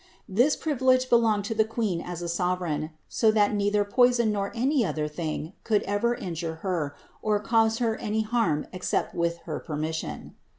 This privi lege belonged to the Queen as a sovereign, so that neither poison or any other thing could ever injure Her or cause Her any harm except with her permission.